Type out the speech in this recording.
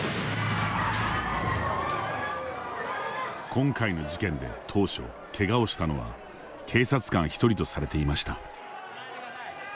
今回の事件で当初けがをしたのは警察官１人とされていました。